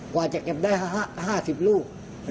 กว่าจะเก็บได้๕๐ลูก